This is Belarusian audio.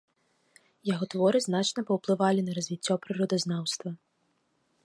Яго творы значна паўплывалі на развіццё прыродазнаўства.